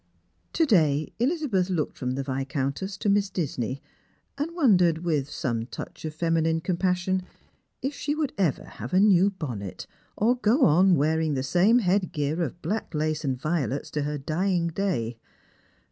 To day Elizabeth looked from the Viscoimtess to Miss Disney, and wondered, with some touch of feminine compassion, if she would ever have a new bonnet, or go on wearing the same head gear of black lace and violets to her dying day.